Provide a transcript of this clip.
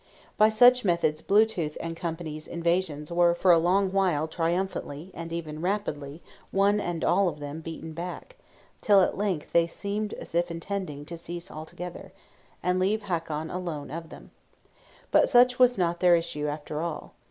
By such methods Blue tooth and Co.'s invasions were for a long while triumphantly, and even rapidly, one and all of them, beaten back, till at length they seemed as if intending to cease altogether, and leave Hakon alone of them. But such was not their issue after all.